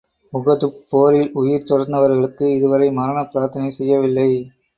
உஹதுப் போரில் உயிர் துறந்தவர்களுக்கு, இதுவரை மரணப் பிரார்த்தனை செய்யவில்லை.